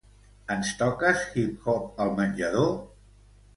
Ens toques hip-hop al menjador?